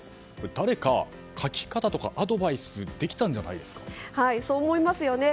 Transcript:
誰か書き方とかアドバイスできたんじゃそう思いますよね。